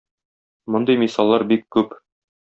Мондый мисаллар бик күп.